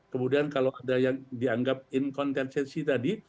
kemudian kalau ada yang dianggap incontentensi tadi